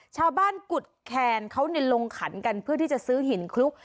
ชาวบ้านกุดแขนเขาเนี่ยลงขันกันเพื่อที่จะซื้อหินคลุก